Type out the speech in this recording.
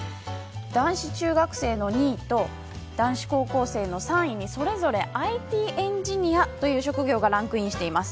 男子中学生の２位と男子高校生の３位に、それぞれＩＴエンジニアという職業がランクインしています。